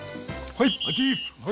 はい！